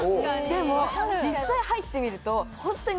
でも実際入ってみるとホントに。